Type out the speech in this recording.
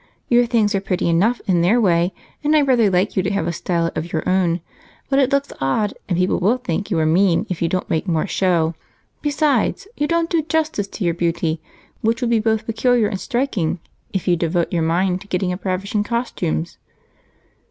Your things are pretty enough in their way, and I rather like you to have a style of your own, but it looks odd and people will think you are mean if you don't make more show. Besides, you don't do justice to your beauty, which would be both peculiar and striking if you'd devote your mind to getting up ravishing costumes."